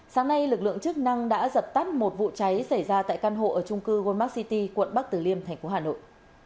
sáng nay lực lượng chức năng đã dập tắt một vụ cháy xảy ra tại căn hộ ở trung cư goldmark city quận bắc tử liêm thành phố hà nội